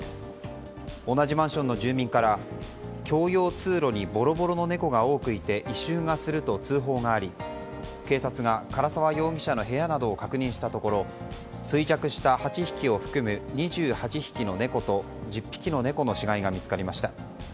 同じマンションの住民から共用通路にボロボロの猫が多くいて異臭がすると通報があり警察が唐沢容疑者の部屋などを確認したところ衰弱した８匹を含む２８匹の猫と１０匹の猫の死骸が見つかりました。